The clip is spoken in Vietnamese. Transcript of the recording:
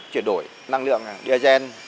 chuyển đổi năng lượng diesel